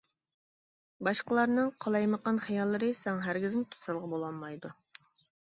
باشقىلارنىڭ قالايمىقان خىياللىرى ساڭا ھەرگىزمۇ توسالغۇ بولالمايدۇ.